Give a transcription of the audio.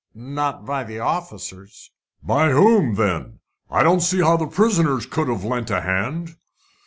"Not by the officers." "By whom then? I don't see how the prisoners could have lent a hand."